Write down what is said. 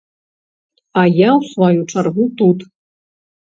А я ў сваю чаргу тут.